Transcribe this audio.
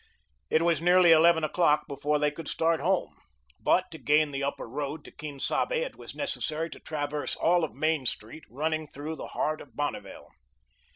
It was nearly eleven o'clock before they could start home. But to gain the Upper Road to Quien Sabe, it was necessary to traverse all of Main Street, running through the heart of Bonneville.